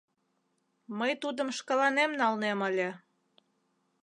— Мый тудым шкаланем налнем ыле.